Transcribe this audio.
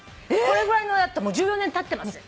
これぐらいのだって１４年たってます。